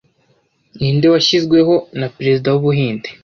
Ninde washyizweho na Perezida wUbuhinde